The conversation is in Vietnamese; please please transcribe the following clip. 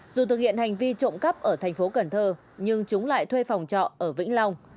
dù thực hiện hành vi trộm cắp ở thành phố cần thơ nhưng chúng lại thuê phòng trọ ở vĩnh long